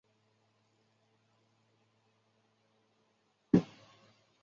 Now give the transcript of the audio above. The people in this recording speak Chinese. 政协会议原本不在国民政府行宪的预备步骤中。